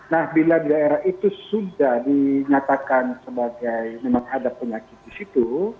nah bila di daerah itu sudah dinyatakan sebagai memang ada penyakit di situ